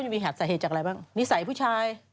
มีสาเหตุจากอะไรบ้างนิสัยผู้ชาย